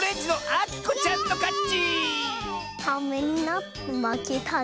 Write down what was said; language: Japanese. あっ。